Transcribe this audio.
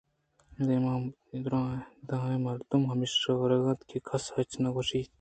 درائیں مردم ہمیشی ءَ ورگ ءَ اَنت کس ہچ نہ گوٛشیت